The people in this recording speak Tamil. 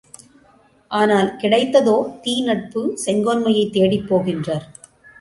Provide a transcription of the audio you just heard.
ஆனால், கிடைத்ததோ தீ நட்பு செங்கோன்மையைத் தேடிப்போகின்றார்!